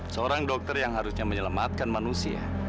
seorang dokter yang harusnya menyelamatkan manusia